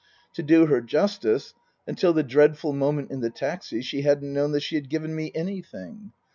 To do her justice, until the dreadful moment in the taxi she hadn't known that she had given me anything.